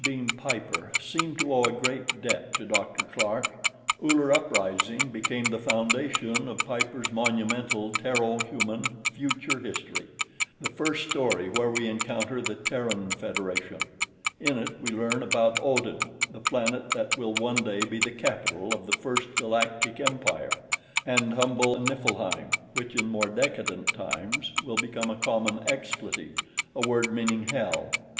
Beam Piper seem to owe a great debt to Dr. Clark. Uller Uprising became the foundation of Piper's monumental Terro Human Future History; the first story where we encounter the Terran Federation. In it we learn about Odin, the planet that will one day be the capital of the First Galactic Empire; and humble Niflheim, which in more decadent times will become a common expletive, a word meaning hell.